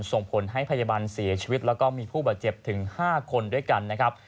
ส่งผลให้พยาบาลเสียชีวิตแล้วก็มีผู้บาดเจ็บถึง๕คนด้วยกันนะครับ